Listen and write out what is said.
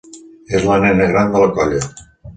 És la nena gran de la colla.